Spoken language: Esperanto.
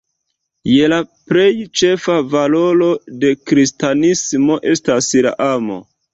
Ja la plej ĉefa valoro de kristanismo estas la amo.